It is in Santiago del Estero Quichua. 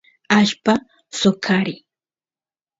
allpa soqariy